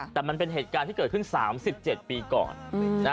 แต่มันเป็นเหตุการณ์ที่เกิดขึ้น๓๗ปีก่อน